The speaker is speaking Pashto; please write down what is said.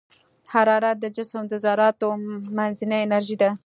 حرارت د جسم د ذراتو منځنۍ انرژي ده.